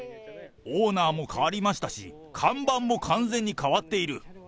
オーナーも変わりましたし、看板も完全に変わっている。